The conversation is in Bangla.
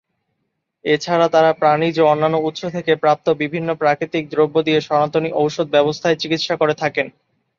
এছাড়া তারা প্রাণীজ ও অন্যান্য উৎস থেকে প্রাপ্ত বিভিন্ন প্রাকৃতিক দ্রব্য দিয়ে সনাতনী ওষুধ ব্যবস্থায় চিকিৎসা করে থাকেন।